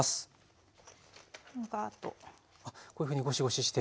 こういうふうにゴシゴシして。